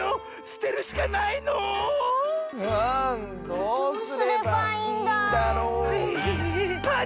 すてるしかないの⁉あ！